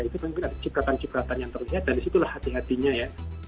itu mungkin ada cipratan cipratan yang terlihat dan disitulah hati hatinya ya